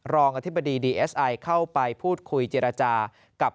อธิบดีดีเอสไอเข้าไปพูดคุยเจรจากับ